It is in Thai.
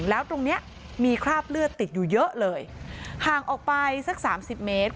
แล้วตรงเนี้ยมีคราบเลือดติดอยู่เยอะเลยห่างออกไปสักสามสิบเมตร